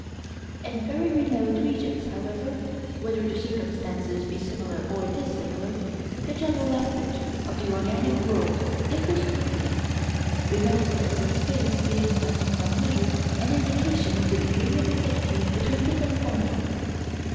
In very remote regions, however, whether the circumstances be similar or dissimilar, the general aspect of the organic world differs greatly, remoteness in space being thus in some measure an indication of the degree of affinity between different faunae.